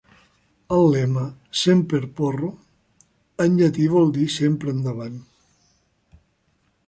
El lema, "Semper Porro" en llatí vol dir "sempre endavant".